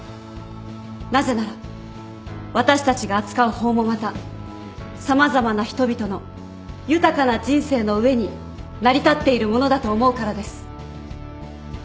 なぜなら私たちが扱う法もまた様々な人々の豊かな人生の上に成り立っているものだと思うからです。